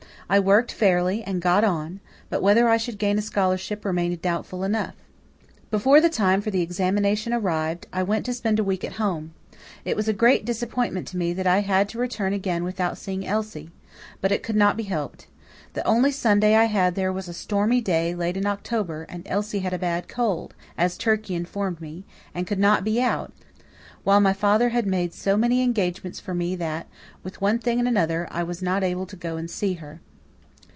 I worked fairly, and got on; but whether I should gain a scholarship remained doubtful enough. Before the time for the examination arrived, I went to spend a week at home. It was a great disappointment to me that I had to return again without seeing Elsie. But it could not be helped. The only Sunday I had there was a stormy day, late in October, and Elsie had a bad cold, as Turkey informed me, and could not be out; while my father had made so many engagements for me, that, with one thing and another, I was not able to go and see her.